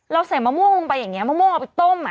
ใส่มะม่วงลงไปอย่างนี้มะม่วงเอาไปต้ม